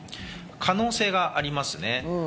可能性がありますね。